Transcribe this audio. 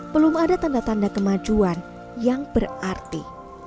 belum ada tanda tanda kemajuan yang berarti